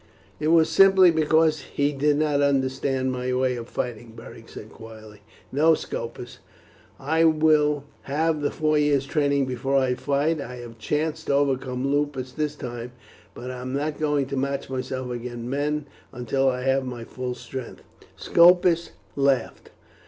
"It was simply because he did not understand my way of fighting," Beric said quietly. "No, Scopus, I will have the four years' training before I fight. I have chanced to overcome Lupus this time, but I am not going to match myself against men until I have my full strength." Scopus laughed.